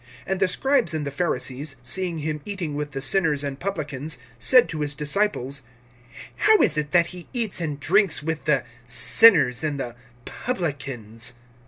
(16)And the scribes and the Pharisees, seeing him eating with the sinners and publicans, said to his disciples: How is it that he eats and drinks with the sinners and the publicans?